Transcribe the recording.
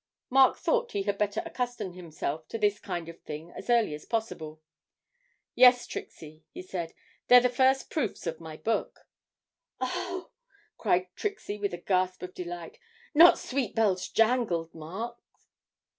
Mark thought he had better accustom himself to this kind of thing as early as possible. 'Yes, Trixie,' he said, 'they're the first proofs of my book.' 'O oh!' cried Trixie, with a gasp of delight, 'not "Sweet Bells Jangled," Mark?'